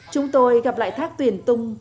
chúng tôi gặp lại thác tuyển tung